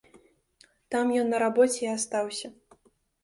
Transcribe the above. Там ён на рабоце і астаўся.